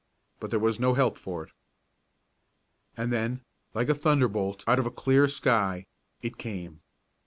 But there was no help for it. And then, like a thunderbolt out of a clear sky, it came.